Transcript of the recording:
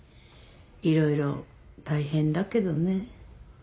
いろいろ大変だけどね。